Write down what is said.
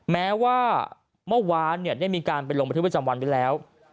แม้ว่าเมื่อวานเนี่ยได้มีการไปลงบัตรธิบัตรจำวันไปแล้ว